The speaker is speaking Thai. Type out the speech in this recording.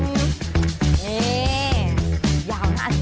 นี่ยาวนั้น